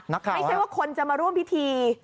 นักข่าวครับให้เสร็จว่าคนจะมาร่วมพิธี